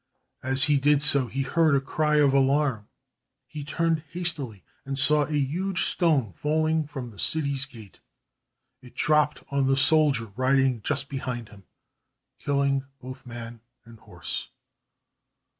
As he did so, he heard a cry of alarm. He turned hastily and saw a huge stone falling from the city's gate. It dropped on the soldier riding just behind him, killing both man and horse.